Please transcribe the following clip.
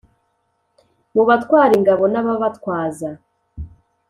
mu batwara ingabo n`ababatwaza.